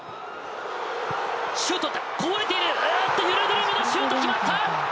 シュート打った、こぼれている、あーっと、ユルドゥルムのシュートが決まった。